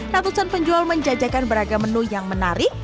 ratusan penjual menjajakan beragam menu yang menarik